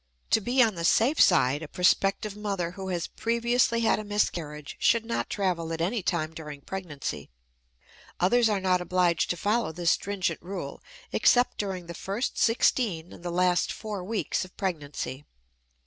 To be on the safe side a prospective mother who has previously had a miscarriage should not travel at any time during pregnancy; others are not obliged to follow this stringent rule except during the first sixteen and the last four weeks of pregnancy.